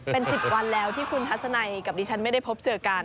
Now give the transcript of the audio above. เป็น๑๐วันแล้วที่คุณทัศนัยกับดิฉันไม่ได้พบเจอกัน